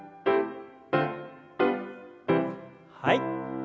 はい。